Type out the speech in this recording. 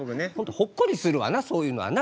ほっこりするわなそういうのはな。